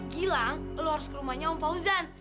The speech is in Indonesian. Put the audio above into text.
gilang lo harus ke rumahnya om fauzan